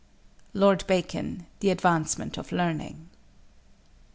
LORD BACON, The Advancement of Learning.